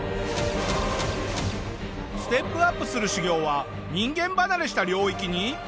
ステップアップする修行は人間離れした領域に。